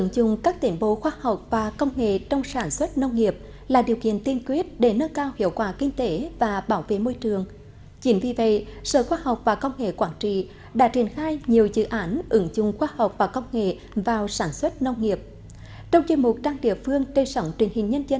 chào mừng quý vị đến với bộ phim hãy nhớ like share và đăng ký kênh của chúng mình nhé